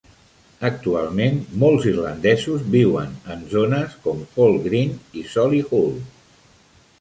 Actualment molts irlandesos viuen en zones como Hall Green i Solihull.